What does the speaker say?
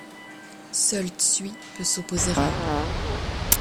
Seul Tsui peut s'opposer à eux...